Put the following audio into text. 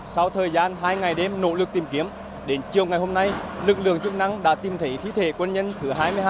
sau thời gian hai ngày đêm nỗ lực tìm kiếm đến chiều ngày hôm nay lực lượng chức năng đã tìm thấy thí thể quân nhân thứ hai mươi hai